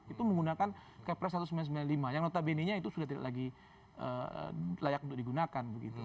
itu menggunakan kepres satu ratus sembilan puluh lima yang notabene nya itu sudah tidak lagi layak untuk digunakan